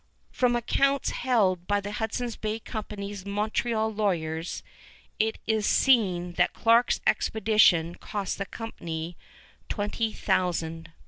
From accounts held by the Hudson's Bay Company's Montreal lawyers it is seen that Clarke's expedition cost the Company 20,000 pounds.